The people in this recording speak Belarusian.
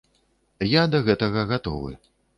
Я да гэтага гатовы.